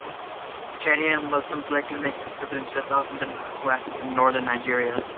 Chadian Muslims likely make the pilgrimage less often than Hausans in northern Nigeria.